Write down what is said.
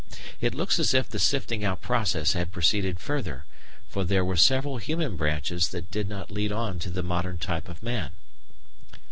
It looks as if the sifting out process had proceeded further, for there were several human branches that did not lead on to the modern type of man.